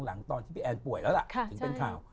หลังตอนที่พี่แอนป่วยแล้วล่ะถึงเป็นข่าว